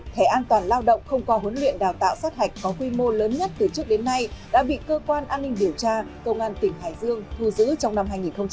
thẻ an toàn lao động không qua huấn luyện đào tạo sát hạch có quy mô lớn nhất từ trước đến nay đã bị cơ quan an ninh điều tra công an tỉnh hải dương thu giữ trong năm hai nghìn một mươi chín